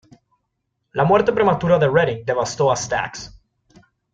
La muerte prematura de Redding devastó a Stax.